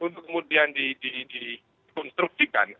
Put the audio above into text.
untuk kemudian dikonstruksikan